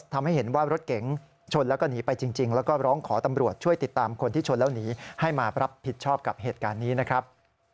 ตามคนที่ชนแล้วหนีให้มารับผิดชอบกับเหตุการณ์นี้นะครับ